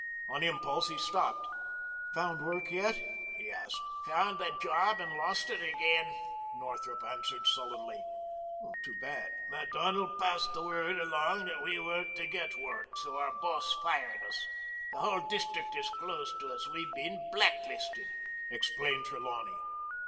On impulse he stopped. "Found work yet?" he asked. "Found a job and lost it again," Northrup answered sullenly. "Too bad." "Macdonald passed the word along that we weren't to get work. So our boss fired us. The whole district is closed to us. We been blacklisted," explained Trelawney.